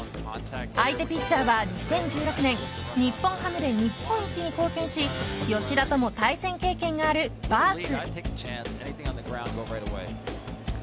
相手ピッチャーは２０１６年日本ハムで日本一に貢献し吉田とも対戦経験があるバース。